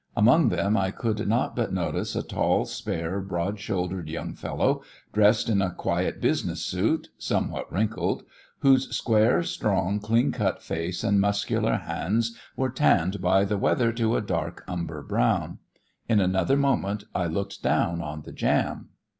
Among them I could not but notice a tall, spare, broad shouldered young fellow dressed in a quiet business suit, somewhat wrinkled, whose square, strong, clean cut face and muscular hands were tanned by the weather to a dark umber brown. In another moment I looked down on the jam.